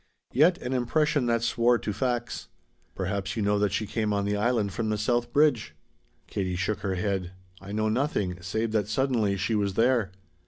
Yet an impression that swore to facts. Perhaps you know that she came on the Island from the south bridge?" Katie shook her head. "I know nothing, save that suddenly she was there."